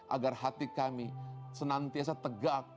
agar hati kami senantiasa tegak